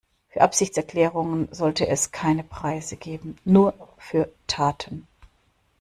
Für Absichtserklärungen sollte es keine Preise geben, nur für Taten.